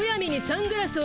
サングラス？